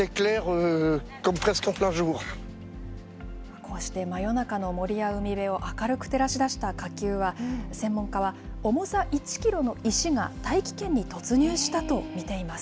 こうして真夜中の森や海辺を明るく照らし出した火球は、専門家は、重さ１キロの石が大気圏に突入したと見ています。